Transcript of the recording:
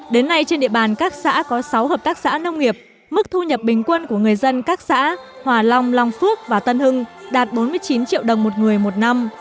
đến nay trên địa bàn các xã có sáu hợp tác xã nông nghiệp mức thu nhập bình quân của người dân các xã hòa long long phước và tân hưng đạt bốn mươi chín triệu đồng một người một năm